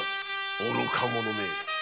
愚か者め。